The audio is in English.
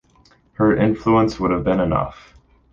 Her influence would have been enough.